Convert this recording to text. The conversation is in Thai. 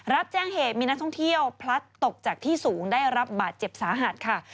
รับแจ้งเหตุมีนักท่องเที่ยวพลัดตกจากที่สูงได้รับบาดเจ็บสาหัสค่ะ